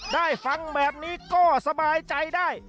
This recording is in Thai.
ได้ฟังแบบนี้ก็สบายใจได้